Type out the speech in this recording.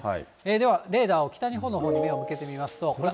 ではレーダーを北日本のほうに目を向けてみますと。